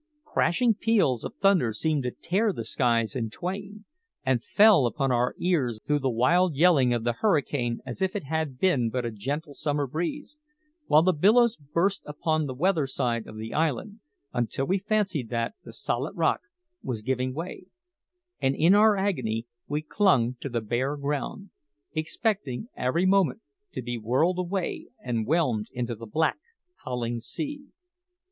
Crashing peals of thunder seemed to tear the skies in twain, and fell upon our ears through the wild yelling of the hurricane as if it had been but a gentle summer breeze; while the billows burst upon the weather side of the island until we fancied that the solid rock was giving way, and in our agony we clung to the bare ground, expecting every moment to be whirled away and whelmed in the black, howling sea.